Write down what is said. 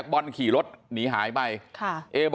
มันต้องการมาหาเรื่องมันจะมาแทงนะ